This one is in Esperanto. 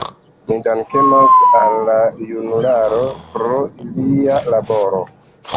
Ni dankemas al la junuloj pro ilia laboro.